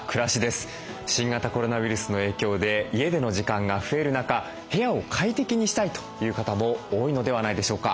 新型コロナウイルスの影響で家での時間が増える中部屋を快適にしたいという方も多いのではないでしょうか。